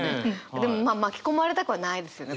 でもまあ巻き込まれたくはないですよね